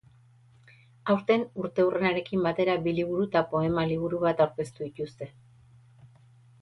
Aurten urteurrenarekin batera, bi liburu eta poema liburu bat aurkeztu dituzte.